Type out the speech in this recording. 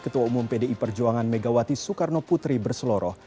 ketua umum pdi perjuangan megawati soekarno putri berseloroh